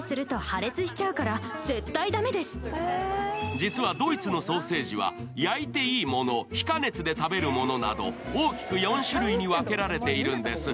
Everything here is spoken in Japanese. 実はドイツのソーセージは焼いていいもの、非加熱で食べるものなど大きく４種類に分けられているんです。